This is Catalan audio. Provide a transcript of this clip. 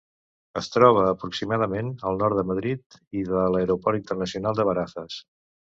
Es troba aproximadament al nord de Madrid i de l'aeroport internacional de Barajas.